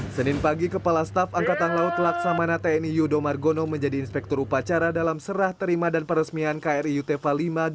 senin pagi kepala staff angkatan laut laksamana tni yudho margono menjadi inspektur upacara dalam serah terima dan peresmian kri utefa lima ratus dua puluh dua